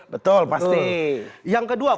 betul pasti yang kedua